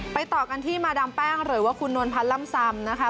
ต่อกันที่มาดามแป้งหรือว่าคุณนวลพันธ์ล่ำซำนะคะ